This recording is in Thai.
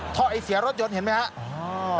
ท่อไอ้เสียรถยนต์เห็นไหมฮะ